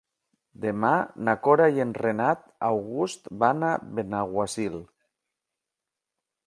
Demà na Cora i en Renat August van a Benaguasil.